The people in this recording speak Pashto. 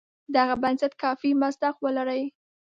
دغه بنسټ کافي مصداق ولري.